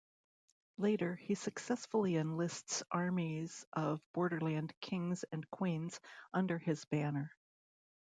Later, he successfully enlists armies of Borderland kings and queens under his banner.